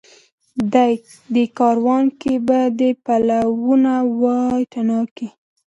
دې کاروان کي به دي پلونه وای تڼاکي